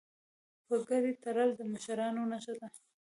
پګړۍ تړل د مشرانو نښه ده.